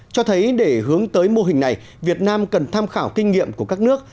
cho thấy để hướng tới mô hình này việt nam cần tham khảo kinh nghiệm của các nước